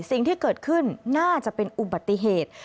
สิ่งที่เกิดขึ้นน่าจะเป็นอุบัติเหตุ